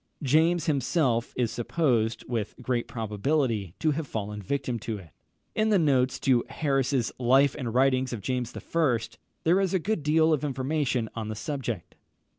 James himself is supposed, with great probability, to have fallen a victim to it. In the notes to Harris's Life and Writings of James I., there is a good deal of information on the subject.